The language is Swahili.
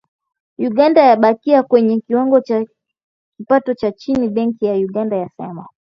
Uganda yabakia kwenye kiwango cha kipato cha chini, Benki ya Dunia yasema.